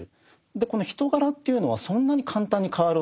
この人柄というのはそんなに簡単に変わるわけではない。